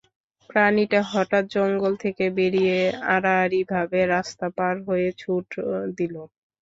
প্রাণীটা হঠাৎ জঙ্গল থেকে বেরিয়ে আড়াআড়িভাবে রাস্তা পার হয়ে ছুট দিল।